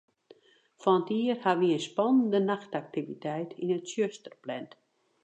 Fan 't jier hawwe wy in spannende nachtaktiviteit yn it tsjuster pland.